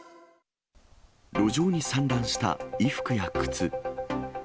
路上に散乱した衣服や靴。